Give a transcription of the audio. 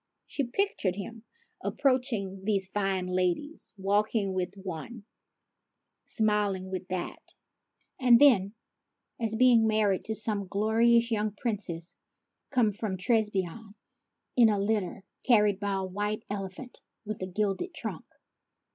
She pictured him approaching these fine ladies, walking with this one, rmiling with that, and then as being married to some glorious young Princess come from Trebizonde in a litter carried by a white elephant with a gilded trunk.